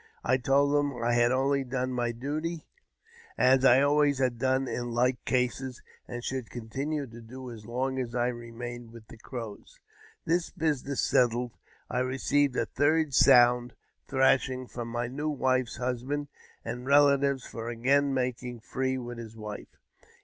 I told him I had only done my duty, as JAMES P. BECKWOUBTH, 211 I always had done in like cases, and should continue to do as long as I remained with the Crows. This business settled, I received a third sound thrashing from my new wdfe's husband and relatives for again making free with his wife.